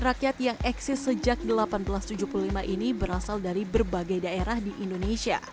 rakyat yang eksis sejak seribu delapan ratus tujuh puluh lima ini berasal dari berbagai daerah di indonesia